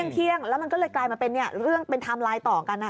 เที่ยงแล้วมันก็เลยกลายมาเป็นเรื่องเป็นไทม์ไลน์ต่อกัน